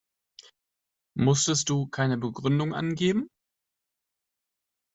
Musstest du keine Begründung angeben?